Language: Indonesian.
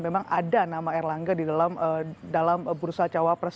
memang ada nama erlangga di dalam bursa cawapres